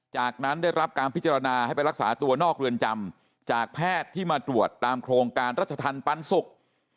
จากนั้นได้รับการพิจารณาให้ไปรักษาตัวนอกเรือนจำจากแพทย์ที่มาตรวจตามโครงการรัชธรรมปันสุก